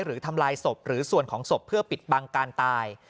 ทำลายศพหรือส่วนของศพเพื่อปิดบังการตาย